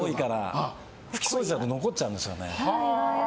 拭き掃除だと残っちゃうんですよね。